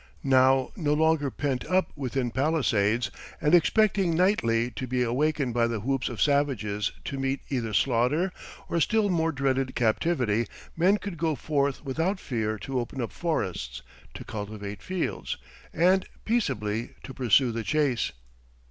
Now no longer pent up within palisades, and expecting nightly to be awakened by the whoops of savages to meet either slaughter or still more dreaded captivity, men could go forth without fear to open up forests, to cultivate fields, and peaceably to pursue the chase.